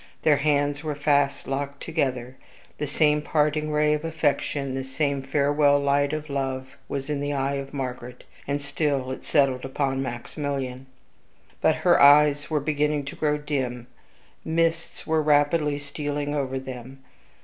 Their hands were fast locked together; the same parting ray of affection, the same farewell light of love, was in the eye of Margaret, and still it settled upon Maximilian. But her eyes were beginning to grow dim; mists were rapidly stealing over them.